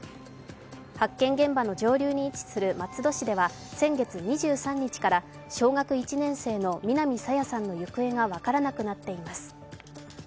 発見現場の上流に位置する松戸市では先月２３日から小学１年生の南朝芽さんの行方が分からなくなっています。